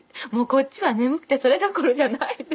こっちは眠くてそれどころじゃないんですよ。